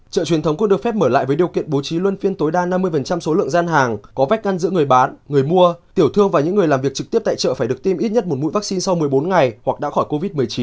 chợ truyền thống cũng được phép mở lại với điều kiện bố trí luân phiên tối đa năm mươi số lượng gian hàng có vách ngăn giữa người bán người mua tiểu thương và những người làm việc trực tiếp tại chợ phải được tiêm ít nhất một mũi vaccine sau một mươi bốn ngày hoặc đã khỏi covid một mươi chín